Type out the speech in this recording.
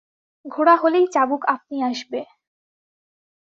ঘোড়া হলেই চাবুক আপনি আসবে।